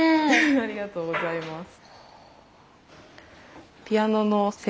ありがとうございます。